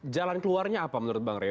jalan keluarnya apa menurut bang rey